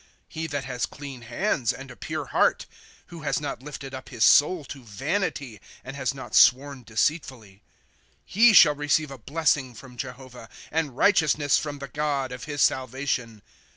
* He that has clean hands, and a pure heart ; M''ho has not lifted up his soul to vanity, And has not sworn deceitfully. ^ He shall receive a blessing from Jehovah, And righteousness from the God of his salvation.